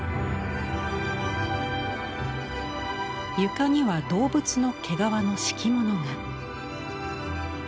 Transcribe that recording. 床には動物の毛皮の敷物が。